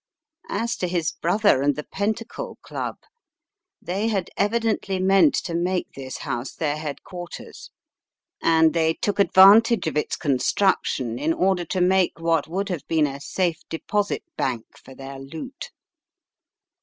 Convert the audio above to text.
As to his brother and the Pentacle Club: they had evidently meant to make this house their headquarters, and they took advantage of its construction in order to make what would have been a safe deposit bank for their loot.